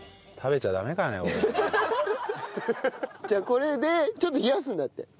これでちょっと冷やすんだって。